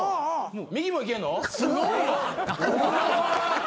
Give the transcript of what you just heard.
右もいけんの？